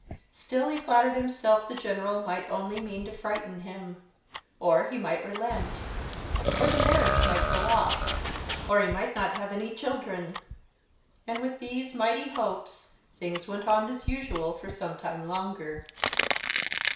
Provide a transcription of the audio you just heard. Still he flattered himself the General might only mean to frighten him; or he might relent; or the marriage might go off; or he might not have any children; and, with these mighty hopes, things went on as usual for some time longer.